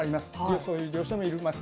そういう業者もいます。